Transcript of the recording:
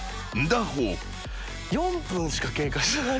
４分しか経過してない。